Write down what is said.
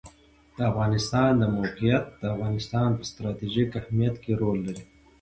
د افغانستان د موقعیت د افغانستان په ستراتیژیک اهمیت کې رول لري.